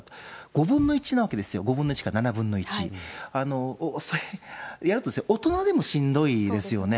５分の１なわけですよ、５分の１か７分の１。やるとすれば、大人でもしんどいですよね。